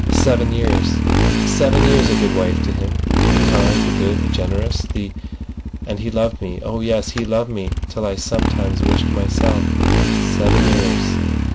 Seven years—seven years a good wife to him, the kind, the good, the generous, the—And he loved me. Oh yes. He loved me till I sometimes wished myself—Seven years.